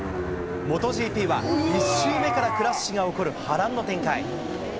１周目からクラッシュが起こる波乱の展開。